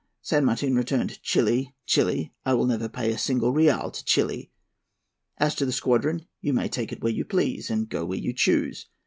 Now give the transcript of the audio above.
San Martin returned, 'Chili! Chili! I will never pay a single real to Chili! As to the squadron, you may take it where you please, and go where you choose.